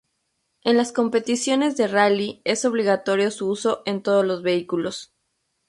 En las competiciones de rally es obligatorio su uso en todos los vehículos.